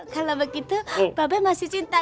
kalo begitu mbak be masih cinta